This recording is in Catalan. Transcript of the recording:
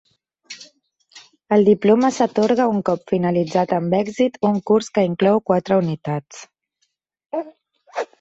El diploma s'atorga un cop finalitzat amb èxit un curs que inclou quatre unitats.